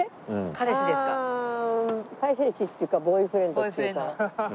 彼氏っていうかボーイフレンドっていうか。